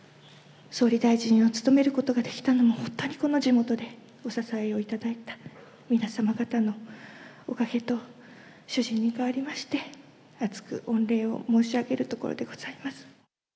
総理大臣を務めることができたのも、本当にこの地元でお支えをいただいた皆様方のおかげと、主人に代わりまして、厚く御礼を申し上げるところでございます。